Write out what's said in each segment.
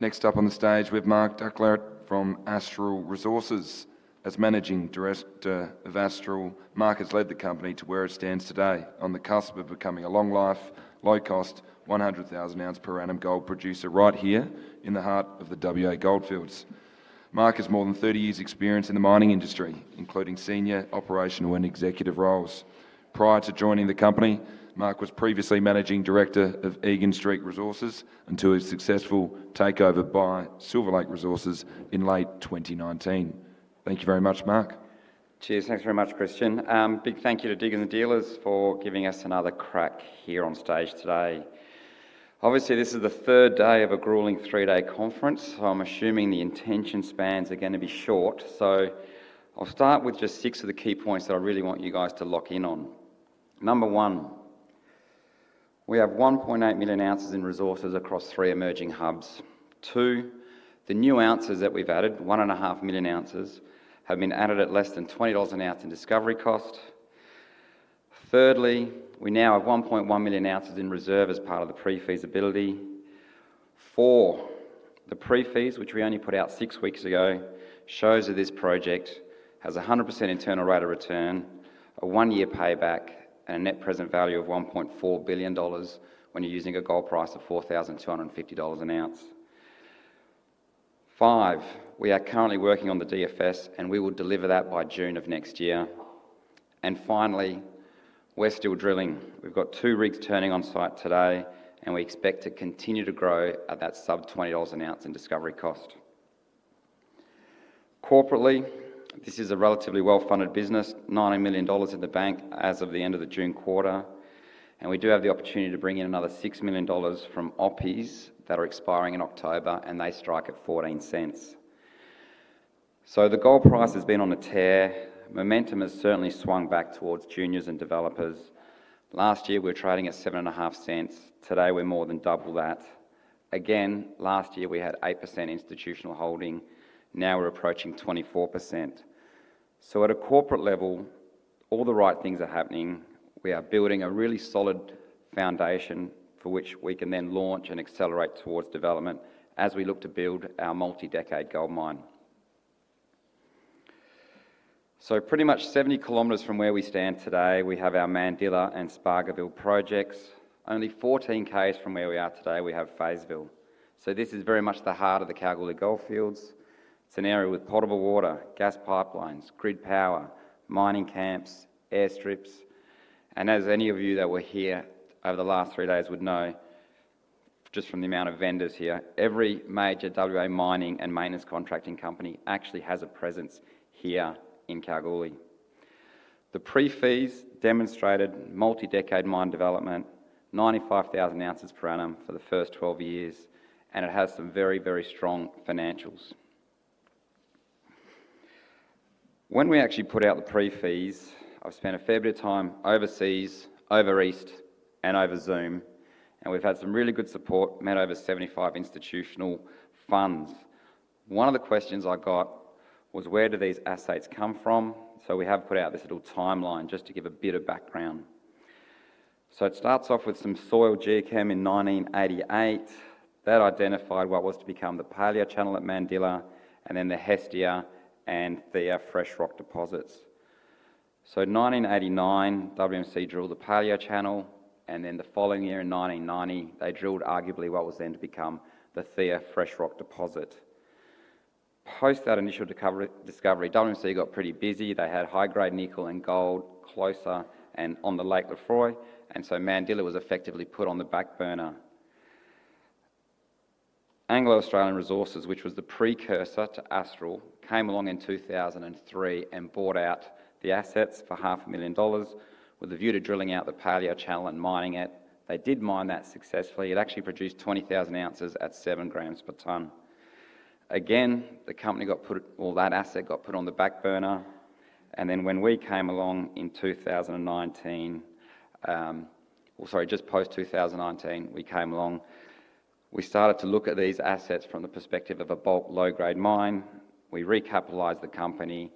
Next up on the stage with Marc Ducler from Astral Resources. As Managing Director of Astral, Marc has led the company to where it stands today on the cusp of becoming a long-life, low-cost, 100,000 oz per annum gold producer right here in the heart of the WA Goldfields. Marc has more than 30 years of experience in the mining industry, including senior operational and executive roles. Prior to joining the company, Marc was previously Managing Director of Egan Street Resources until his successful takeover by Silver Lake Resources in late 2019. Thank you very much, Marc. Cheers, thanks very much, Christian. Big thank you to Diggers & Dealers for giving us another crack here on stage today. Obviously, this is the third day of a gruelling three-day conference, so I'm assuming the attention spans are going to be short. I'll start with just six of the key points that I really want you guys to lock in on. Number one, we have 1.8 million oz in resources across three emerging hubs. Two, the new ounces that we've added, 1.5 million oz, have been added at less than 20 dollars an ounce in discovery cost. Thirdly, we now have 1.1 million oz in reserve as part of the pre-feasibility. Four, the pre-feas, which we only put out six weeks ago, show that this project has a 100% internal rate of return, a one-year payback, and a net present value of 1.4 billion dollars when you're using a gold price of 4,250 dollars an ounce. Five, we are currently working on the DFS, and we will deliver that by June of next year. Finally, we're still drilling. We've got two rigs turning on site today, and we expect to continue to grow at that sub 20 an ounce in discovery cost. Corporately, this is a relatively well-funded business, 90 million dollars in the bank as of the end of the June quarter. We do have the opportunity to bring in another 6 million dollars from [OPEs] that are expiring in October, and they strike at 0.14. The gold price has been on a tear. Momentum has certainly swung back towards juniors and developers. Last year, we were trading at 0.075. Today, we're more than double that. Last year we had 8% institutional holding. Now we're approaching 24%. At a corporate level, all the right things are happening. We are building a really solid foundation for which we can then launch and accelerate towards development as we look to build our multi-decade gold mine. Pretty much 70 km from where we stand today, we have our Mandilla and Spargoville projects. Only 14 km from where we are today, we have Feysville. This is very much the heart of the Kalgoorlie gold fields. It's an area with potable water, gas pipelines, grid power, mining camps, airstrips. As any of you that were here over the last three days would know, just from the amount of vendors here, every major WA mining and maintenance contracting company actually has a presence here in Kalgoorlie. The pre-feas demonstrated multi-decade mine development, 95,000 oz per annum for the first 12 years, and it has some very, very strong financials. When we actually put out the pre-feas, I've spent a fair bit of time overseas, over East, and over Zoom. We've had some really good support, met over 75 institutional funds. One of the questions I got was where do these assets come from? We have put out this little timeline just to give a bit of background. It starts off with some soil geochem in 1988. That identified what was to become the paleochannel at Mandilla, and then the Hestia and Theia fresh rock deposits. In 1989, WMC drilled the paleochannel, and the following year in 1990, they drilled arguably what was then to become the Theia fresh rock deposit. Post that initial discovery, WMC got pretty busy. They had high-grade nickel and gold closer and on the Lake Lefroy, and Mandilla was effectively put on the back burner. Anglo Australian Resources, which was the precursor to Astral, came along in 2003 and bought out the assets for 500,000 dollars with a view to drilling out the paleochannel and mining it. They did mine that successfully. It actually produced 20,000 oz at 7 g per ton. Again, the company got put, all that asset got put on the back burner. When we came along in 2019, sorry, just post 2019, we came along, we started to look at these assets from the perspective of a bulk low-grade mine. We recapitalized the company.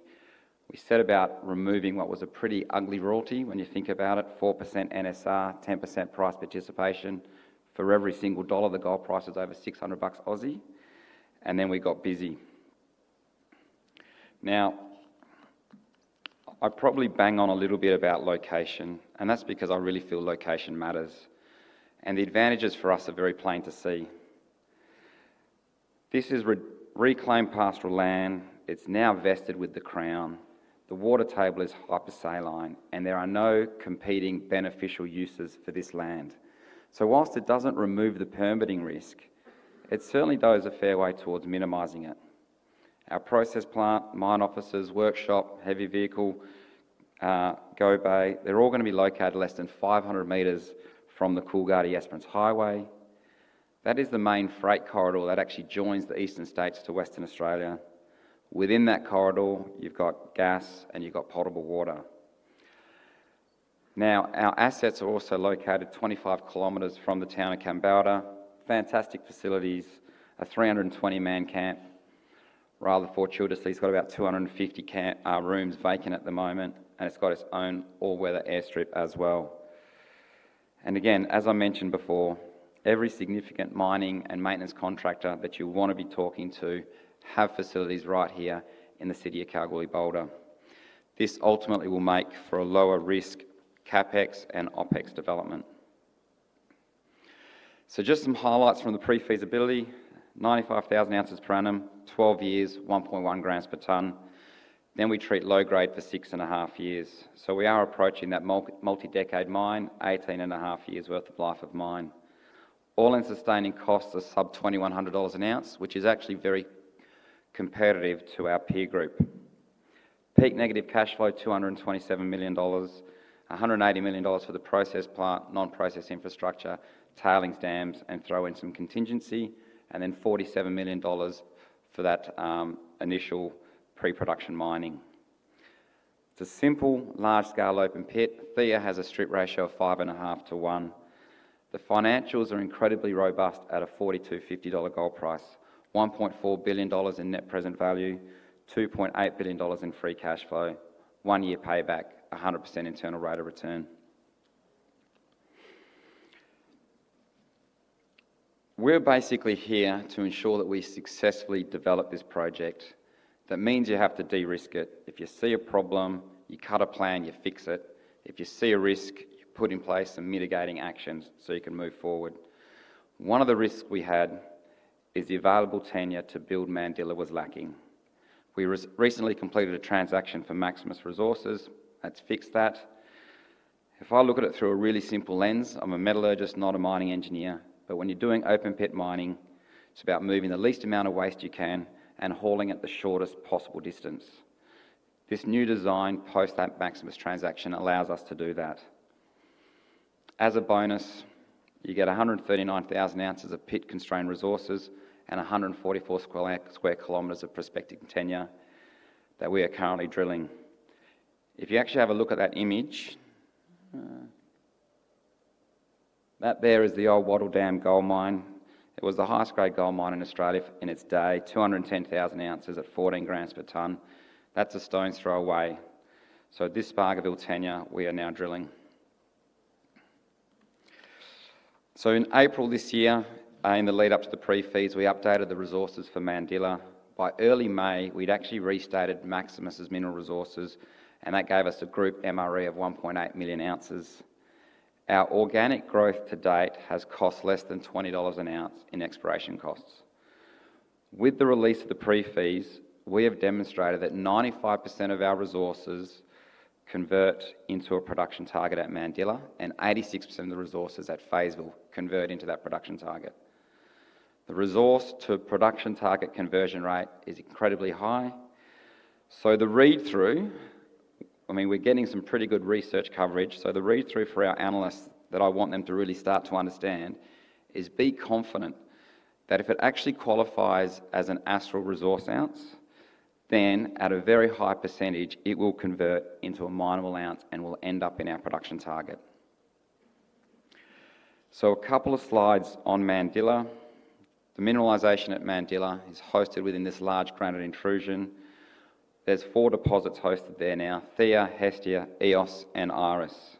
We set about removing what was a pretty ugly royalty when you think about it, 4% NSR, 10% price participation for every single dollar the gold price was over 600 bucks Aussie. We got busy. I probably bang on a little bit about location, and that's because I really feel location matters. The advantages for us are very plain to see. This is reclaimed pastoral land. It's now vested with the Crown. The water table is hyper-saline, and there are no competing beneficial uses for this land. Whilst it doesn't remove the permitting risk, it certainly does a fair way towards minimizing it. Our process plant, mine offices, workshop, heavy vehicle [GoBay], they're all going to be located less than 500 m from the Coolgardie-Esperance Highway. That is the main freight corridor that actually joins the Eastern States to Western Australia. Within that corridor, you've got gas and you've got potable water. Our assets are also located 25 km from the town of Kambalda. Fantastic facilities, a 320-man camp. Rather fortuitously, it's got about 250 rooms vacant at the moment, and it's got its own all-weather airstrip as well. As I mentioned before, every significant mining and maintenance contractor that you want to be talking to have facilities right here in the city of Kalgoorlie-Boulder. This ultimately will make for a lower risk CapEx and OpEx development. Just some highlights from the pre-feasibility: 95,000 oz per annum, 12 years, 1.1 g per ton. We treat low-grade for six and a half years. We are approaching that multi-decade mine, 18.5 years' worth of life of mine. All-in sustaining costs of sub 2,100 dollars an ounce, which is actually very competitive to our peer group. Peak negative cash flow: 227 million dollars, 180 million dollars for the process plant, non-process infrastructure, tailings, dams, and throw in some contingency, and then 47 million dollars for that initial pre-production mining. The simple large-scale open pit, Theia, has a strip ratio of 5.5 to 1. The financials are incredibly robust at a 2,450 dollar gold price, 1.4 billion dollars in net present value, 2.8 billion dollars in free cash flow, one-year payback, 100% internal rate of return. We're basically here to ensure that we successfully develop this project. That means you have to de-risk it. If you see a problem, you cut a plan, you fix it. If you see a risk, you put in place some mitigating actions so you can move forward. One of the risks we had is the available tenure to build Mandilla was lacking. We recently completed a transaction for Maximus Resources that's fixed that. If I look at it through a really simple lens, I'm a metallurgist, not a mining engineer. When you're doing open pit mining, it's about moving the least amount of waste you can and hauling it the shortest possible distance. This new design post that Maximus transaction allows us to do that. As a bonus, you get 139,000 oz of pit-constrained resources and 144 sq km of prospective tenure that we are currently drilling. If you actually have a look at that image, that there is the old Wattle Dam gold mine. It was the highest grade gold mine in Australia in its day, 210,000 oz at 14 g per ton. That's a stone's throw away. This Spargoville tenure we are now drilling. In April this year, in the lead-up to the pre-feas, we updated the resources for Mandilla. By early May, we'd actually restated Maximus Resources's mineral resources, and that gave us a group MRE of 1.8 million oz. Our organic growth to date has cost less than 20 dollars an ounce in exploration costs. With the release of the pre-feas study, we have demonstrated that 95% of our resources convert into a production target at Mandilla, and 86% of the resources at Feysville convert into that production target. The resource-to-production target conversion rate is incredibly high. The read-through, I mean, we're getting some pretty good research coverage. The read-through for our analysts that I want them to really start to understand is be confident that if it actually qualifies as an Astral Resources ounce, then at a very high percentage, it will convert into a mineral ounce and will end up in our production target. A couple of slides on Mandilla. The mineralization at Mandilla is hosted within this large granite intrusion. There's four deposits hosted there now: Theia, Hestia, Eos, and Iris.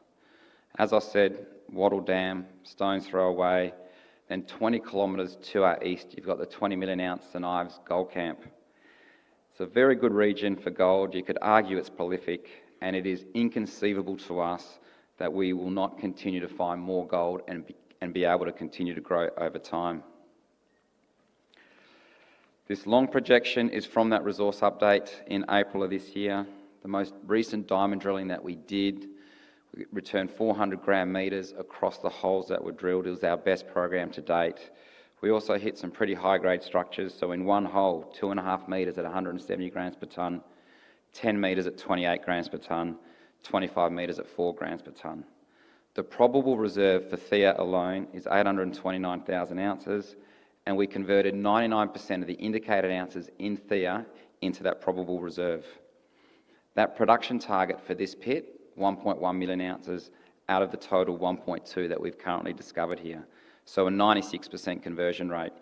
As I said, Wattle Dam, stone's throw away, and 20 km to our east, you've got the 20 million oz St. Ives gold camp. Very good region for gold. You could argue it's prolific, and it is inconceivable to us that we will not continue to find more gold and be able to continue to grow over time. This long projection is from that resource update in April of this year. The most recent diamond drilling that we did returned 400 g m across the holes that were drilled. It was our best program to date. We also hit some pretty high-grade structures. In one hole, 2.5 m at 170 g per ton, 10 m at 28 g per ton, 25 m at 4 g per ton. The probable reserve for Theia alone is 829,000 oz, and we converted 99% of the indicated ounces in Theia into that probable reserve. That production target for this pit, 1.1 million oz, out of the total 1.2 million oz that we've currently discovered here. A 96% conversion rate.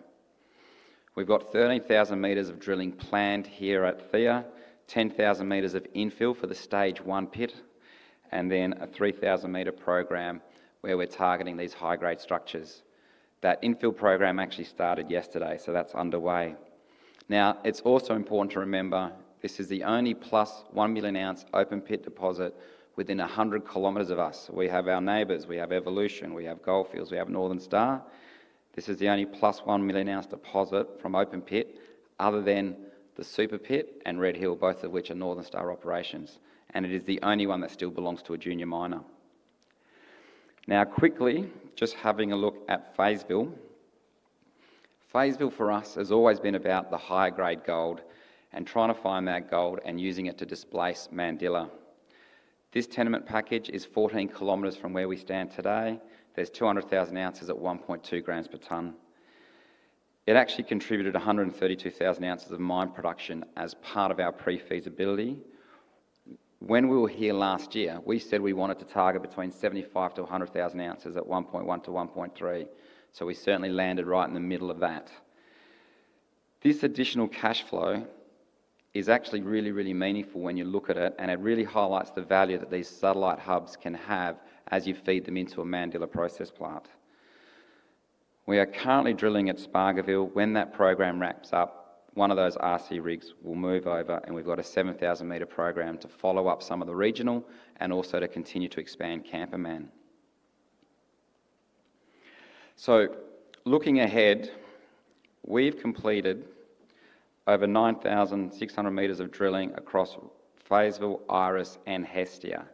We've got 13,000 m of drilling planned here at Theia, 10,000 m of infill for the stage one pit, and then a 3,000 m program where we're targeting these high-grade structures. That infill program actually started yesterday, so that's underway. It's also important to remember this is the only +1 million oz open pit deposit within 100 km of us. We have our neighbors, we have Evolution, we have Gold Fields, we have Northern Star. This is the only +1 million oz deposit from open pit other than the Super Pit and Red Hill, both of which are Northern Star operations. It is the only one that still belongs to a junior miner. Now, quickly, just having a look at Feysville. Feysville for us has always been about the high-grade gold and trying to find that gold and using it to displace Mandilla. This tenement package is 14 km from where we stand today. There's 200,000 oz at 1.2 g per ton. It actually contributed 132,000 oz of mine production as part of our pre-feasibility. When we were here last year, we said we wanted to target between 75,000-100,000 oz at 1.1 g-1.3 g. We certainly landed right in the middle of that. This additional cash flow is actually really, really meaningful when you look at it, and it really highlights the value that these satellite hubs can have as you feed them into a Mandilla process plant. We are currently drilling at Spargoville. When that program wraps up, one of those RC rigs will move over, and we've got a 7,000 m program to follow up some of the regional and also to continue to expand Kamperman. Looking ahead, we've completed over 9,600 m of drilling across Feysville, Iris, and Hestia.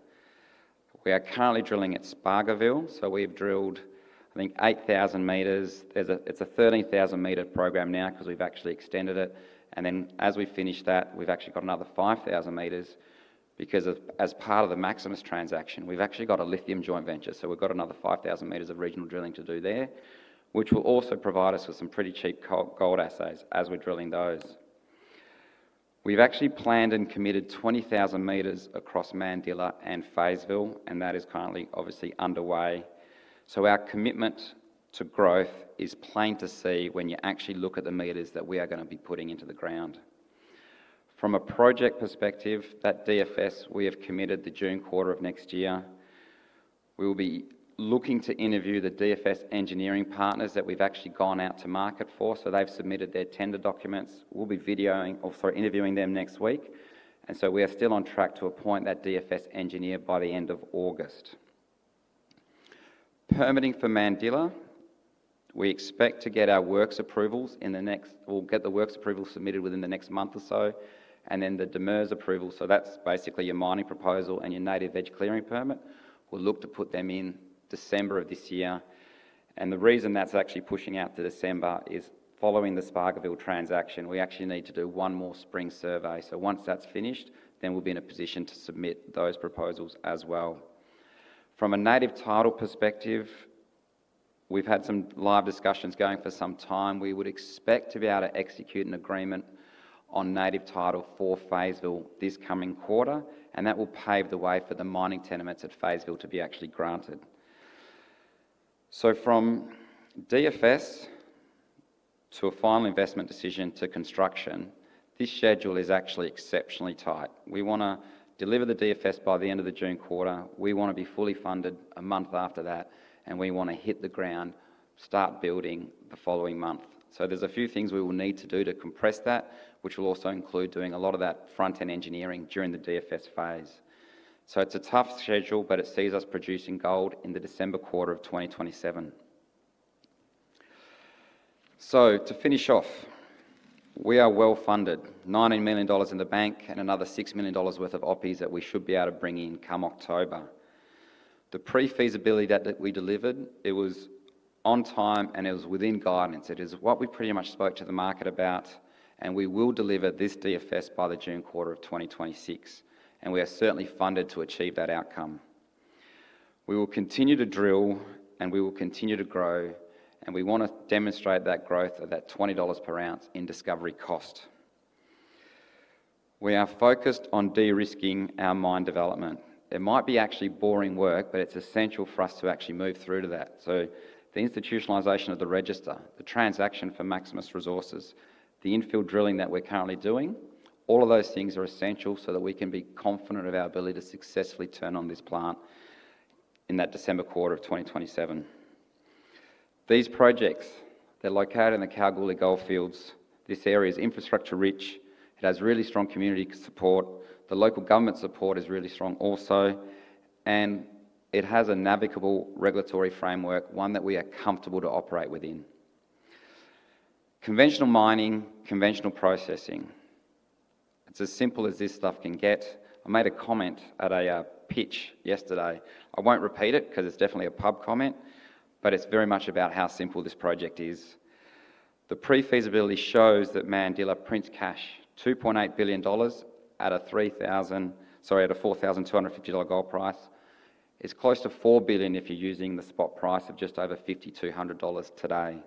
We are currently drilling at Spargoville. We've drilled, I think, 8,000 m. It's a 13,000 m program now because we've actually extended it. As we finish that, we've actually got another 5,000 m because as part of the Maximus transaction, we've actually got a lithium joint venture. We've got another 5,000 m of regional drilling to do there, which will also provide us with some pretty cheap gold assets as we're drilling those. We've actually planned and committed 20,000 m across Mandilla and Feysville, and that is currently obviously underway. Our commitment to growth is plain to see when you actually look at the meters that we are going to be putting into the ground. From a project perspective, that DFS, we have committed the June quarter of next year. We will be looking to interview the DFS engineering partners that we've actually gone out to market for. They've submitted their tender documents. We'll be interviewing them next week. We are still on track to appoint that DFS engineer by the end of August. Permitting for Mandilla, we expect to get our works approvals in the next, we'll get the works approvals submitted within the next month or so, and then the DMIRS approval. That's basically your mining proposal and your native vegetation clearing permit. We'll look to put them in December of this year. The reason that's actually pushing out to December is following the Spargoville transaction, we actually need to do one more spring survey. Once that's finished, we'll be in a position to submit those proposals as well. From a native title perspective, we've had some live discussions going for some time. We would expect to be able to execute an agreement on native title for Feysville this coming quarter, and that will pave the way for the mining tenements at Feysville to be actually granted. From DFS to a final investment decision to construction, this schedule is actually exceptionally tight. We want to deliver the DFS by the end of the June quarter. We want to be fully funded a month after that, and we want to hit the ground, start building the following month. There are a few things we will need to do to compress that, which will also include doing a lot of that front-end engineering during the DFS phase. It's a tough schedule, but it sees us producing gold in the December quarter of 2027. To finish off, we are well-funded, 19 million dollars in the bank, and another 6 million dollars worth of [OPEs] that we should be able to bring in come October. The pre-feasibility that we delivered, it was on time, and it was within guidance. It is what we pretty much spoke to the market about, and we will deliver this DFS by the June quarter of 2026. We are certainly funded to achieve that outcome. We will continue to drill, and we will continue to grow, and we want to demonstrate that growth of that 20 dollars per ounce in discovery cost. We are focused on de-risking our mine development. It might be actually boring work, but it's essential for us to actually move through to that. The institutionalisation of the register, the transaction for Maximus Resources, the infill drilling that we're currently doing, all of those things are essential so that we can be confident of our ability to successfully turn on this plant in that December quarter of 2027. These projects, they're located in the Kalgoorlie gold fields. This area is infrastructure rich. It has really strong community support. The local government support is really strong also, and it has a navigable regulatory framework, one that we are comfortable to operate within. Conventional mining, conventional processing. It's as simple as this stuff can get. I made a comment at a pitch yesterday. I won't repeat it because it's definitely a pub comment, but it's very much about how simple this project is. The pre-feasibility shows that Mandilla prints cash, 2.8 billion dollars at a 4,250 dollar gold price. It's close to 4 billion if you're using the spot price of just over 5,200 dollars today.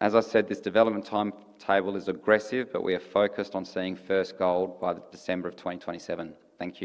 As I said, this development timetable is aggressive, but we are focused on seeing first gold by December of 2027. Thank you.